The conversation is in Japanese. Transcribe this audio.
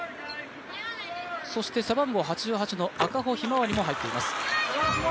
そして背番号８８の赤穂ひまわりも入っています。